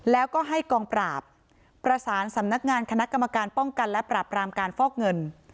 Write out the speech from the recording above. แล้วก็ให้กองปราบประสานสำนักงานคณะกรรมการป้องกันและปราบรามการฟอกเงิน